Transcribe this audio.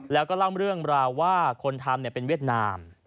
แล้วก็เล่าเรื่องราวว่าคนทำเป็นเวียดนาม